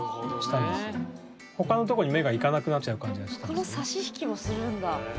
これはこの差し引きもするんだ。